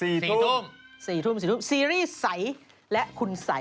สี่ทุ่มสี่ทุ่มสี่ทุ่มซีรีส์ใสและคุณใส